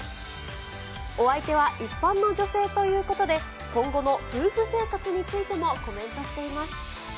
お相手は一般の女性ということで、今後の夫婦生活についてもコメントしています。